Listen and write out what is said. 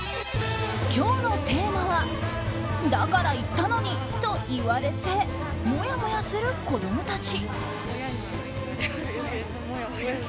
今日のテーマはだから言ったのにと言われてもやもやする子どもたち。